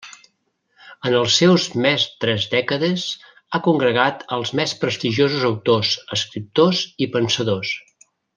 En els seus més tres dècades ha congregat als més prestigiosos autors, escriptors i pensadors.